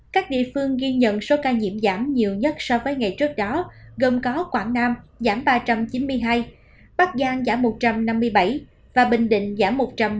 các địa phương ghi nhận số ca nhiễm giảm nhiều nhất so với ngày trước đó gồm có quảng nam giảm ba trăm chín mươi hai bắc giang giảm một trăm năm mươi bảy và bình định giảm một trăm một mươi